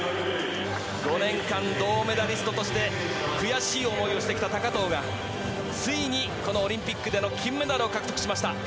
５年間、銅メダリストとして、悔しい思いをしてきた高藤が、ついにこのオリンピックでの金メダルを獲得しました。